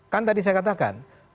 kan tadi saya katakan